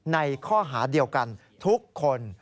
ในข้อหาเดียวกันทุกคน